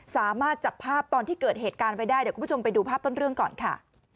สามารถจับภาพตอนที่เกิดเหตุการณ์ไว้ได้เดี๋ยวคุณผู้ชมไปดูภาพต้นเรื่องก่อนค่ะ